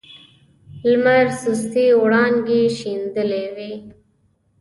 لمر سستې وړانګې شیندلې وې.